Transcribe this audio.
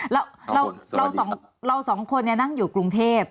แล้วเราสองคนนั่งอยู่กรุงเทพ